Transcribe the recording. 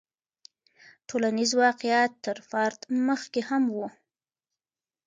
ټولنیز واقعیت تر فرد مخکې هم و.